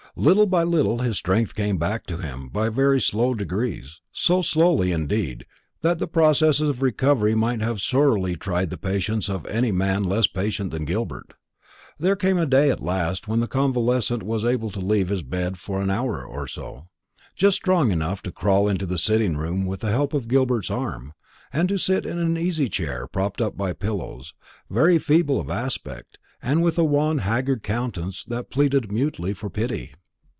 Little by little his strength came back to him by very slow degrees so slowly, indeed, that the process of recovery might have sorely tried the patience of any man less patient than Gilbert. There came a day at last when the convalescent was able to leave his bed for an hour or so, just strong enough to crawl into the sitting room with the help of Gilbert's arm, and to sit in an easy chair, propped up by pillows, very feeble of aspect, and with a wan haggard countenance that pleaded mutely for pity.